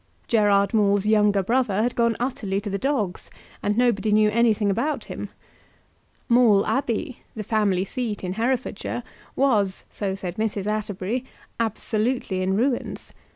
Gerard Maule's younger brother had gone utterly to the dogs, and nobody knew anything about him. Maule Abbey, the family seat in Herefordshire, was, so said Mrs. Atterbury, absolutely in ruins.